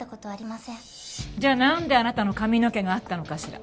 じゃあなんであなたの髪の毛があったのかしら？